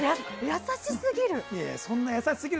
優しすぎる。